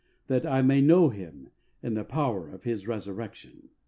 ... That I may know Him and the power of His resurrection.'